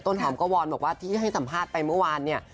หอมก็วอนบอกว่าที่ให้สัมภาษณ์ไปเมื่อวานเนี่ย